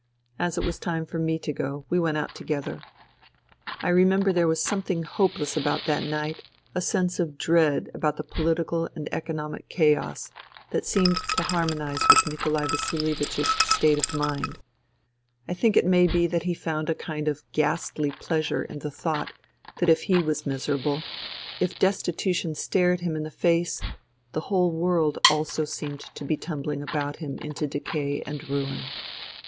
As it was time for me to go, we went out together. I remember there was something hopeless about that night, a sense of dread about the political and economic chaos, that seemed to harmonize with Nikolai Vasilievich's state of mind. I think it may be that he found a kind of ghastly pleasure in the thought that if he was miserable, if destitution stared him in the face, the whole world also seemed to be tumbling about him into decay and ruin.